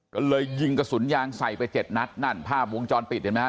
ก็เลยยิงกระสุนยางใส่ไปเจ็ดนัดนั่นภาพวงจรปิดเห็นไหมฮ